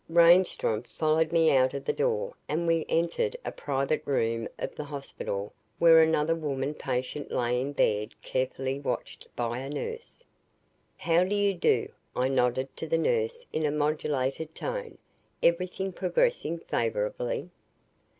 Reinstrom followed me out of the door and we entered a private room of the hospital where another woman patient lay in bed carefully watched by a nurse. "How do you do?" I nodded to the nurse in a modulated tone. "Everything progressing favorably?"